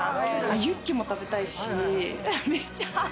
ユッケも食べたいし。